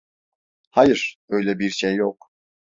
Hayır, öyle bir şey yok.